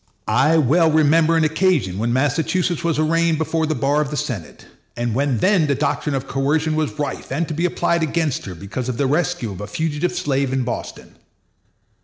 I well remember an occasion when Massachusetts was arraigned before the bar of the Senate, and when then the doctrine of coercion was rife and to be applied against her because of the rescue of a fugitive slave in Boston.